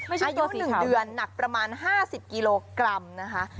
อายุ๑เดือนหนักประมาณ๕๐กิโลกรัมนะคะ